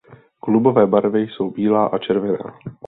Klubové barvy jsou bílá a červená.